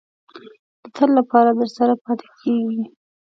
د تل لپاره درسره پاتې کېږي.